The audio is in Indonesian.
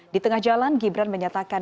di tengah jalan gibran menyatakan